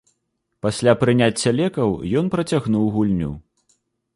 Пасля прыняцця лекаў ён працягнуў гульню.